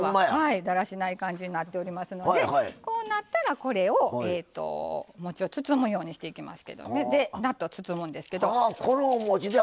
だらしない感じになっているのでこうなったら、これをもち包むようにしていきますけど納豆を包むんですけど。